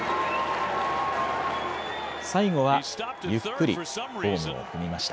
最後はゆっくりホームを踏みました。